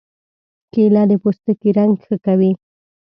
کېله د پوستکي رنګ ښه کوي.